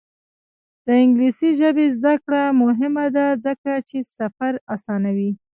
د انګلیسي ژبې زده کړه مهمه ده ځکه چې سفر اسانوي.